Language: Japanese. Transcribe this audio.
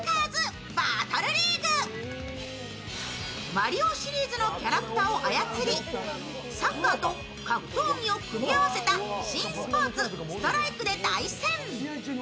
「マリオ」シリーズのキャラクターを操りサッカーと格闘技を組み合わせた新スポーツ、「ストライク」で対戦。